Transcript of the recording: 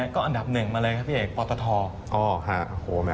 ก็อันดับหนึ่งมาเลยครับพี่เอกปตท